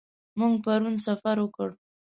موږ پرون سفر وکړ.